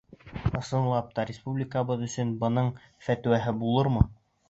Ысынлап та, республикабыҙ өсөн бының фәтүәһе булырмы?